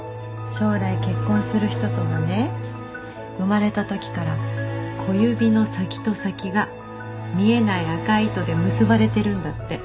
将来結婚する人とはね生まれた時から小指の先と先が見えない赤い糸で結ばれてるんだって。